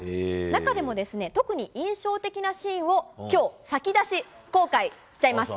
中でも特に印象的なシーンをきょう、先出し公開しちゃいます。